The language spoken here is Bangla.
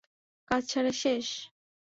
কাজ সারা শেষ?